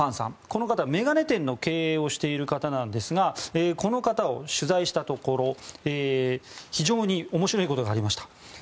この方、眼鏡店の経営をしている方ですがこの方を取材したところ非常に面白いことがありました。